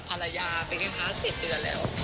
ภรรยาเป็นไงคะ๑๐เดือนแล้ว